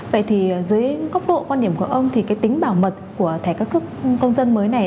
vậy thì dưới góc độ quan điểm của ông thì cái tính bảo mật của thẻ căn cước công dân mới này